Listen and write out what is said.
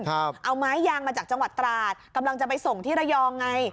เอาไม้ยางมาจากจังหวัดตราดกำลังจะไปส่งที่ระยองไง